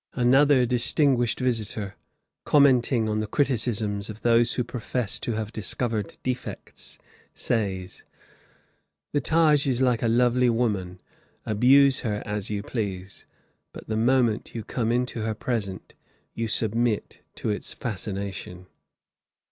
Another distinguished visitor, commenting on the criticisms of those who profess to have discovered defects, says: "The Taj is like a lovely woman; abuse her as you please, but the moment you come into her presence, you submit to its fascination."